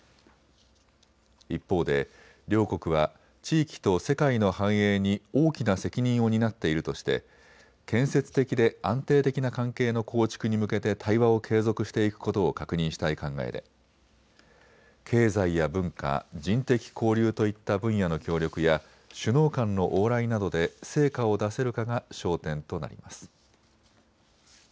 一方で両国は地域と世界の繁栄に大きな責任を担っているとして建設的で安定的な関係の構築に向けて対話を継続していくことを確認したい考えで経済や文化、人的交流といった分野の協力や首脳間の往来などで成果を出せるかが焦点となります。